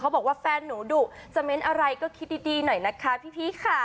บอกว่าแฟนหนูดุจะเม้นอะไรก็คิดดีหน่อยนะคะพี่ค่ะ